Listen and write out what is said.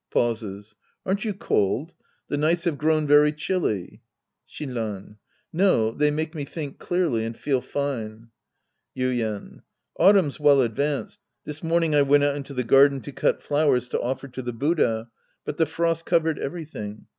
{Pauses.) Aren't you cold ? The nights have grown very chilly. Shinran. No. They make me think clearly and feel fine. Yuien. Autumn's well advanced. This morning I went out into the garden to cut flowers to offer to the Buddha, but the frost covered everything.